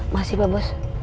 masih pak bos